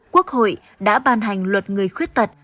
quốc hội đã ban hành luật người khuyết tật